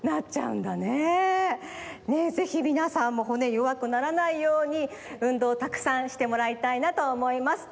ぜひみなさんも骨よわくならないように運動をたくさんしてもらいたいなとおもいます。